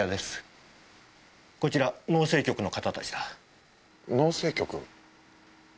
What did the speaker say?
こちら農政局の方たちだ。